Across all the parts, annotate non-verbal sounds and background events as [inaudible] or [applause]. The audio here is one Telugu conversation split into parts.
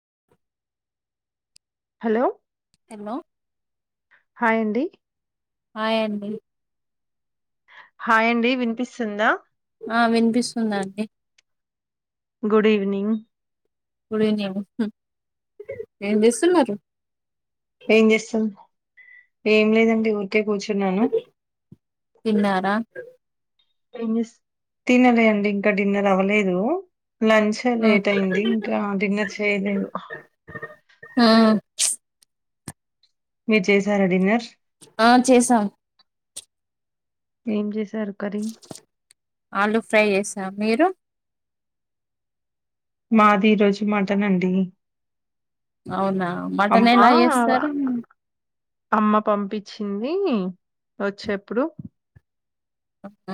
[unintelligible] హలొ హలో హాయ్ అండి హాయ్ అండీ హాయ్ అండీ వినిపిస్తుంద, ఆ వినిపిస్తుందండి గుడ్ ఈవినింగ్ గుడ్ ఈవెనింగ్ హు ఎమ్ చేస్తున్నారు. ఎం చేస్తురు, ఎం లేదండి ఊరికే కూర్చున్నాను అది తిన్నార ఎం చేస్తూ తినలె అండి ఇంకా డిన్నర్ అవలేదు, లంచె ఆ లేట్ అయింది. ఇంకా డిన్నర్ చేయ లేదు. హ ఆ మీరు చేసార డిన్నర్. ఆ చేసాం ఎం చేసా ఆలు ఫ్రై చేసా మీరు మాది ఈ రోజు మటన్ అండీ అవునా, మటన్ ఎలా చేస్తారు, హుమ్ అమ్మ పంపిచిందీ వచ్చే అప్పుడు,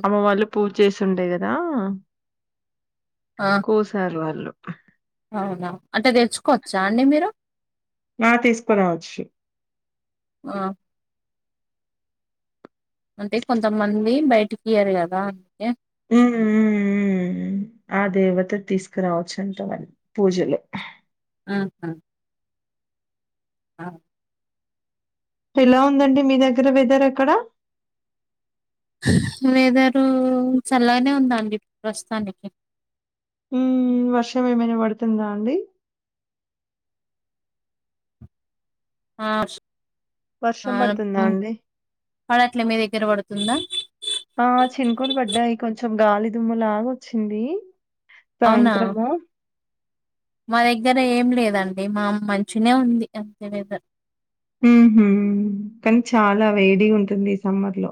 అమ్మ వాళ్ళు పూజ చేసి ఉండె కదా, కోసాలు వాళ్ళు, అవున, అంటె తేచ్చుకోవచ్చ అండి మీరు ఆ తీసుకోరావచ్చు, ఆ అంటె కొంతమంది, బయటికి ఇయ్యరు కదా ఎ ఊ ఊ ఊ ఊమ్ ఆ దేవత తీస్కోరావచ్చ్ అంట పూజలొ ఆహ [unintelligible] ఎలా ఉందండి మీ దగ్గర వెదర్ అక్కడ వెదరూ చల్లగానె ఉందండి ప్రస్తుతానికి, ఊ వర్షం ఏమైన పడుతుంద అండి. ఆ వర్ష వర్షం పడుతుంద అండి పడట్లె, మీదగ్గర పడుతుందా ఆ చినుకులు బడ్డాయ్, కొంచెం గాలి దుమ్ములాగ వచ్చింది, అవునా సాయంత్రమూ మా దగ్గర ఎం లేదండి మా మ్ మంచిగనె ఉంది, అంతె వెదర్ ఉహు కానీ చాలా వేడి గా ఉంటుంది ఈ సమ్మర్ లో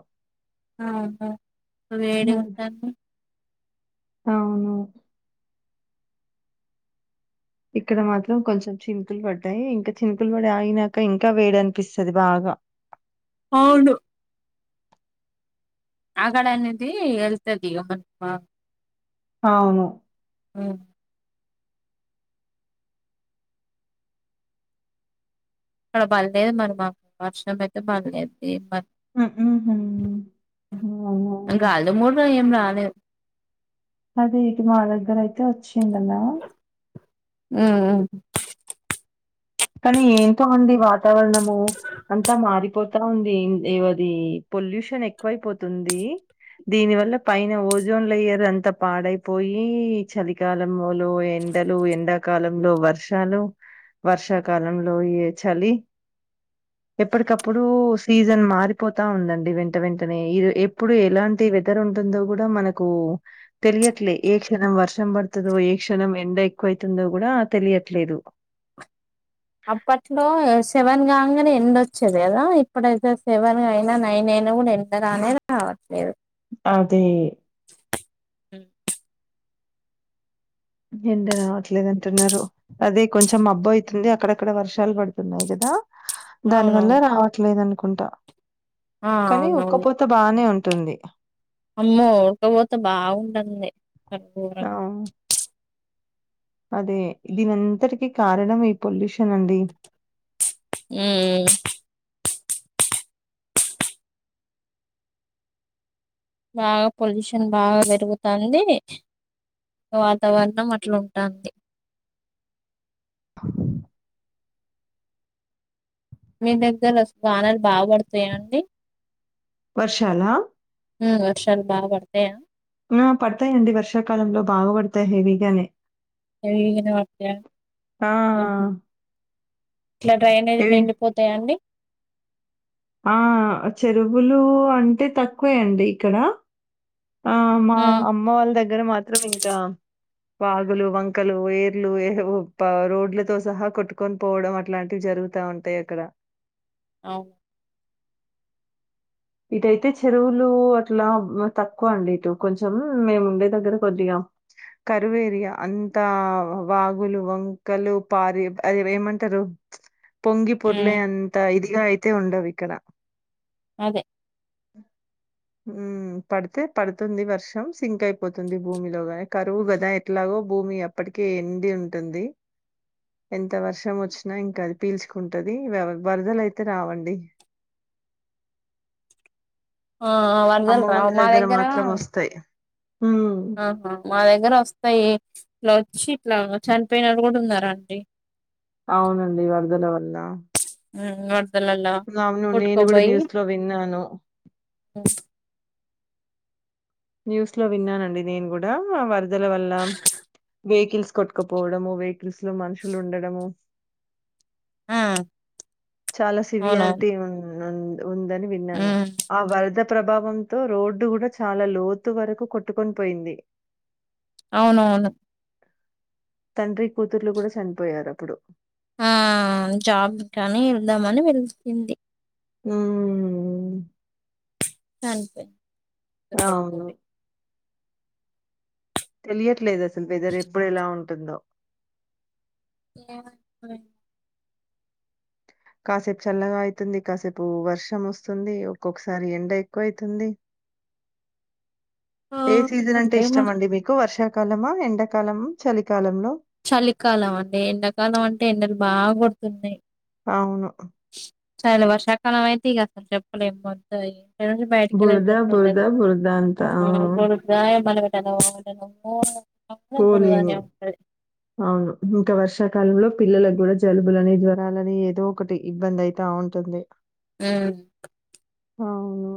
అవును వేడి గా ఉంటంటే, అవును ఇక్కడ మాత్రం కొంచెం చినుకులు పడ్డాయి ఇంకా చినుకులు పడి అయినాక ఇంకా వేడి అనిపిస్తది బాగా, [unintelligible] అవును అక్కడ నుంచి వెళ్తది ఇగ ఆ ఆవును ఉను పోతాంటే బరమ [unintelligible] రి మా వర్షం అయితే బర్లేదు మ అవునవును అదే అదే ఇటు మా దగ్గర అయితే వచ్చిందమ్మ హ్మ్. హ్మ్. కానీ ఏంత మంది వాతావరణము అంతా మారిపోతా ఉంది ఏవది పొల్యూషన్ ఎక్కువైపోతుంది దీని వల్ల పైన ఓజోన్ లేయర్ అంత పాడైపోయి చలికాలం ఎండలు ఎండాకాలంలో వర్షాలు వర్ష కాలంలో ఇగ చలి ఎప్పటికప్పుడు సీజన్ మారిపోతా ఉందండి వెంట వెంటనే ఇది ఎప్పుడు ఎలాంటి వెదర్ ఉ ఉంటుందో కూడా మనకు తెలియట్లే ఏ క్షణం వర్షం పడుతుందో ఏ క్షణం ఎండ ఎక్కువ అయితుందో కూడా తెలియట్లేదు ఎండొచ్చేది కదా ఇప్పుడైతే సెవెన్ అయినా నైన్ అయినా కూడా ఎండ రానే రావట్లేదు అదే హ్మ్. అది కొంచెం అబ్బాయి [unintelligible] అక్కడక్కడ వర్షాలు పడుతున్నాయి కదా దాని వల్ల అవునవును రావట్లేదు అనుకుంటా ఆ కానీ అవునవును ఒక్కపోత బానే ఉంటుంది అమ్మో ఉడకపోత బాగుంటంది ఆ! అదే దీనింతటికీ కారణం ఈ పొల్యూషన్ తినండి హ్మ్. బాగా పొల్యూషన్ బాగా పెరుగుతాంది వాతావరణం అట్లాంటాంది అ మీ దగ్గర వర్షాలు బాగ పడుతాయండి వర్షాల ఆ వర్షాలు బాగ పడుతాయ ఆ పడతాయిండి వర్షాకాలంలో బాగపడతాయి హెవీగానే పడతాయ ఆ! [unintelligible] ఇట్లా డ్రైనేజ్ ఇవి లునిండిపోతాయాండి ఆ చెరువులు అంటే తక్కువే అండి ఇక్కడ అవున ఉమ్, అమ్మ వాళ్ళ దగ్గర మాత్రం ఇంకా వాగులు వంకలు ఏర్లు ఏహ్ రోడ్లతో సహా కొట్టుకొని పోవడం అట్లాంటివి జరు జరుగుతా ఉంటాయి అక్కడ అవున ఇటుయితే చెరువులు అట్లా తక్కువ అండి ఇటు కొంచెం మేము ఉండే దగ్గర కొద్దిగా కరువు ఏరియా అంతా వాగులు వంకలు పారే అది ఏమంటారు పొంగి పొర్లే ఉమ్, అంతా ఇదిగా అయితే ఉండవు ఇక్కడ అదే ఆ మ్మ్ పడితే పడుతుంది వర్షం సింక్ అయిపోతుంది భూమిలోగాని కరువు కదా ఎట్లాగ భూమి అప్పటికే ఎండి ఉంటుంది ఎంత వర్షం వచ్చినా ఇంకా అది పీల్చుకుంటాది వరదల అయితే రావండి [inaudible] ఆ అమ్మ వరదలు వాళ్ళ రావ్ మా దగ్గర మాత్రం ఒస్తాయి. హ్మ్. మా దగ్గర వస్తాయి వచ్చి అట్లా చనిపోయినొళ్ళు కూడా ఉన్నారండి అవునండి వరదల వల్ల ఉమ్ వ రదలల్ల అవును. నేను గూడా కొట్కబోయి న్యూస్‌లో విన్నాను. న్యూస్ లో విన్నానండి నేను గూడా వరదల వల్ల వెహికిల్స్ కొట్కపోవడము వెహికిల్స్ లో మనుషులు ఉండడము ఆ చాలా అవునవును సివియారిటీ ఉ ఉందని విన్నాను ఉమ్, ఆ వరద ప్రభావంతో రోడ్డు గూడా చాలా లోతు వరకు కొట్టుకొని పోయింది అవునవును తండ్రి కూతుర్లు కూడా చనిపోయారు అప్పుడు ఆ జాబ్ కనీ వెళ్దామని వెళ్తుంది ఉమ్ చనిపోయింది ఇద్దరు కొట్కబోయి తెలియట్లేదు అసలు వెదర్ ఎప్పుడు ఎలా ఉంటుందో ఏ [unintelligible] కాసేపు చల్లగా అయితుంది కాసేపు వర్షం వస్తుంది ఒక్కొక్కసారి ఎండ ఎక్కువ అయితుంది [inaudible] ఏ సీజన్ అంటే ఇష్టం అండి మీకు వర్షాకాలమా ఎండాకాలము చలికాలంలో చలికాలం అండి ఎండాకాలం అంటే ఎండలు బాగా గొడుతున్నాయి అవును చాలా వర్షాకాలం అయితే ఇగ అసలు చెప్పలేం మొత్తం ఇగ రోజు బయటకి బురద, బురద, యెళ్ళేటటుండదు బురద అంతా. ఆ! [unintelligible] అక్కడుద పోలేము. [unintelligible] అవును ఇంకా వర్షాకాలంలో పిల్లలకు గూడా జలుబులని జ్వరాలని ఏదో ఒకటి ఇబ్బంది అయితా ఉంటుంది ఉమ్ అవును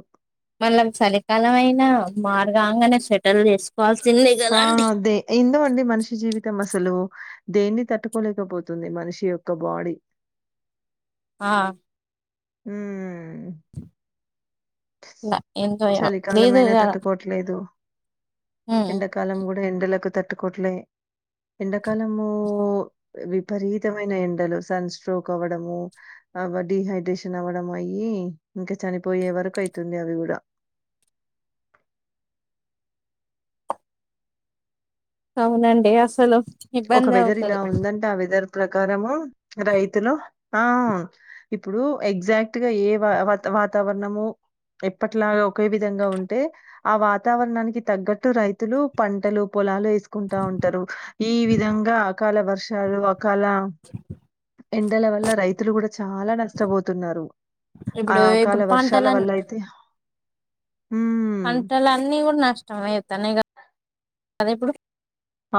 మళ్ళం చలికాలమయిన మార్గాంగానే స్వెటల్ యేస్ ఆ అదే ఎందో అండి మనిషి జీవితం అసలు దేన్ని తట్టుకోలేకపోతుంది మనిషి యొక్క బాడీ ఆ ఉమ్ అట్లా ఎంతో ఏమో లేదు చలికాలమయినా కదా తట్టుకోవట్లేదు ఉమ్. ఎండాకాలం గూడా ఎండలకు తట్టుకోట్లే ఎండాకాలము విపరీతమైన ఎండలు సన్ స్ట్రోక్ అవ్వడము అబ్బా డీహైడ్రేషన్ అవ్వడం అయి ఇంకా చనిపోయే వరకు అయితుంది అవి గూడా [inaudible] అవునండి అసలు ఒక ఇబ్బంది వెదర్ అవుతది ఇలా ఉందంటే ఆ వెదర్ ప్రకారము రైతులు ఆ ఇప్పుడు ఎగ్జాక్ట్ గా ఏ వాతా వాతావరణము ఎప్పట్లా ఒకే విధంగా ఉంటే ఆ వాతావరణానికి తగ్గట్టు రైతులు పంటలు పొలాలు యే కుంటా ఉంటారు ఈ విధంగా అకాల వర్షాలు అకాల ఎండల వల్ల రైతులు గూడా చాలా నష్టపోతున్నారు ఆ ఇప్పుడు అకాల ఇప్పుడు వర్షాల పంటల వల్ల అయితే ఉమ్ పంటలు అన్నీ గూడా నష్టం అయితున్నాయి గదా ఇప్పుడు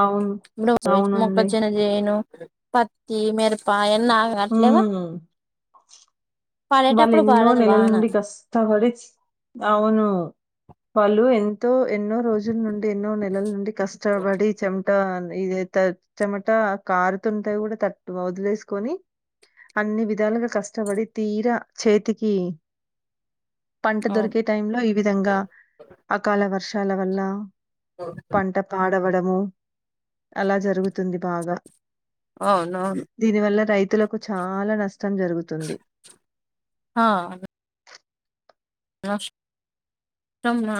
అవును. ఇప్పుడు వేస్ట్ అవునండి. మొక్కజొన్న జేయను పత్తి మిరప అయన్నీ ఆగం గాట్లేవు వాళ్ళు ఎన్నో నెలల నుండి కష్టపడి. అవును వాళ్ళు ఎంతో ఎన్నో రోజుల నుండి, ఎన్నో నెలల నుండి, కష్టపడి చెమట్ ఇంకా ఇది ట్ చెమట కారుతుంటే కూడా తట్ వదిలేసుకొని. అన్ని విధాలుగా కష్టపడి. తీర చేతికి, పంట అవును దొరికే టైంలో, ఈ విధంగా అకాల వర్షాల వల్ల. పంట పాడవడము అలా జరుగుతుంది. బాగా, అవునవును దీనివల్ల రైతులకు చాలా నష్టం జరుగుతుంది. హా అహ్ నష్ట నమా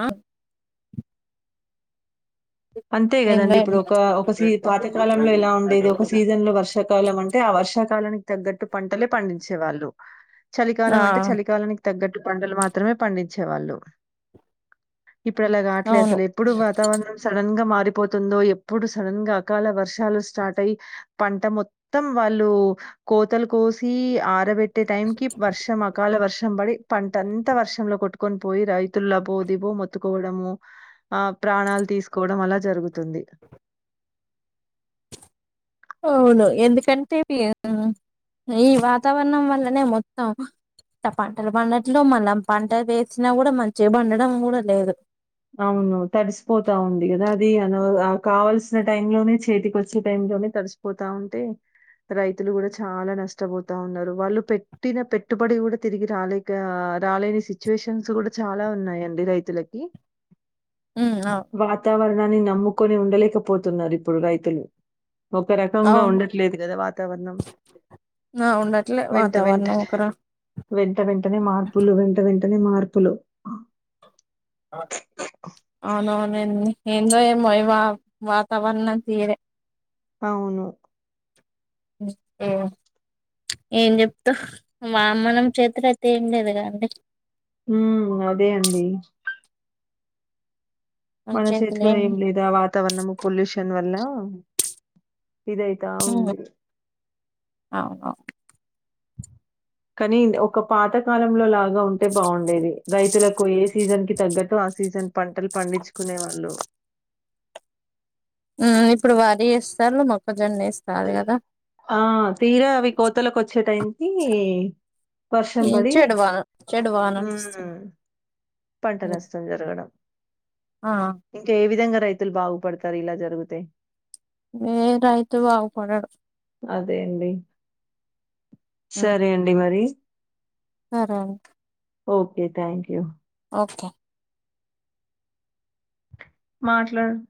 అంతే ఎంద కదండి ఇప్పుడు ఒక ఒక సీన్ పాతకాలంలో ఎలా ఉండేది. ఒక సీజన్ లో వర్షాకాలం అంటే ఆ వర్ష. వర్షాకాలానికి తగ్గట్టు పంటలే పండించే వాళ్ళు. ఆ చలికాలం అంటే చలికాలానికి తగ్గట్టు పంటలు మాత్రమే పండించేవాళ్ళు. ఇప్పుడు అలాగా లేదు. అవును అసలు ఎప్పుడు వాతావరణం. సడన్ గా మారిపోతుందో, ఎప్పుడు సడన్ గా అకాల వర్షాలు స్టార్ట్ అయి, పంట మొత్తం వాళ్ళు. కోతలు కోసి ఆరబెట్, తె టైం కి వర్షం అకాల వర్షం పడి పంట అంత వర్షంలో కొట్టుకొని పోయి రైత్ లబో దిబో మొత్తుకోవడం. ఆ ప్రాణాలు తీసుక్, కోవడం అలా జరుగుతుంది. అవును ఎందుకంటే య్య ను ఈ వాతావరణం వల్లనే మొత్తం. ఇట్లా పంటలు పండట్లేవ్ మల్ల పంటలు వేసినా కూడా మంచిగా పండడం కూడా లేదు. ది అన కావల్సిన టైం లోనే చేతికి వచ్చే టైం లోనే తడిసిపోతా ఉంటే, రైతులు కూడా చాలా నష్టపోతా ఉన్నారు. వాళ్ళు పెట్టిన పెట్టుబడి కూడా తిరిగి రాలేక ఆ, రాలేని సిచ్యువేషన్స్ కూడా చాలా ఉన్నాయండి రైతులకి. ఉమ్ అవును వాతావరణాన్ని నమ్ముకొని ఉండలేకపోతున్నారు. ఇప్పుడు రైతులు. ఒక రకంగా అవును ఉండట్లేదు కదా వాతావరణం. ఆ ఉండట్లే వెంట వాతావరణం వెంటనే, ఒకరా వెంట వెంటనే, మార్పులు వెంట వెంట్ వెంటనే మార్పులు ఆ అవును అవునండి. ఏందో ఏమో వాతావరణ తీరే. అవును హ్మ్ ఏం చెప్తామ్ వా మనం చేతులో అయితే ఏం లేదు కాండి. హుమ్మ్ అదే అండి. మన చేతిలో ఏం లేదు ఆ వాతావరణం పొల్యూషన్ వల్ల. ఇదైతా ఉంది పాపం కానీ ఒక పాత కాలంలో లాగా ఉంటే బాగుండేది. రైతులకు ఏ సీజన్ కి, తగ్గట్టు ఆ సీజన్ పంటలు, పండించుకునే వాళ్ళు. ఇప్పుడు వరి వేస్తారు మొక్క, ఆ, తీరా అవి కోతలకు వచ్చే టైం కి, వర్షం ఈ బడి చెడు వాన చెడు వానలు వస్తున్నాయి ఉమ్మ్ పంట ఉమ్ నష్టం జరగడం. ఆ ఇంకా ఏ విధంగ్ రైతులు బాగుపడతారు. ఇలా జరుగుతే. ఏ రైతు బాగుపడాడు అదే అండి. ఉమ్ సరే అండి మరి. సరే అండి. ఓకే థ్యాంక్ యూ ఓకే మాట్లాడు